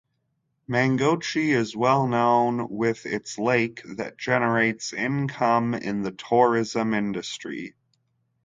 Mangochi is well known with its lake that generates income in the tourism industry.